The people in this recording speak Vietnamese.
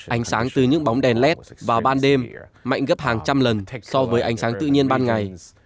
ánh sáng từ những bóng đèn led vào ban đêm mạnh gấp hàng trăm lần so với ánh sáng tự nhiên ban ngày